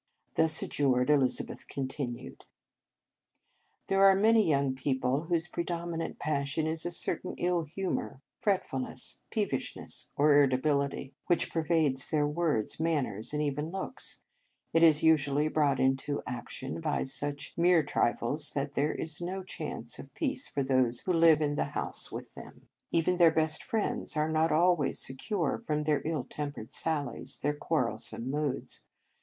Thus adjured, Elizabeth continued: "There are many young people whose predominant passion is a certain ill humour, fretfulness, peevishness, or irritability, which pervades their words, manners, and even looks. It is usually brought into action by such mere trifles that there is no chance of peace for those who live in the house 92 In Retreat with them. Even their best friends are not always secure from their ill tempered sallies, their quarrelsome moods.